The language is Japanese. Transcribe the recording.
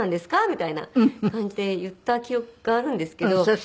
みたいな感じで言った記憶があるんですけど。